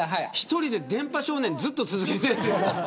１人で電波少年ずっと続けてるんですか。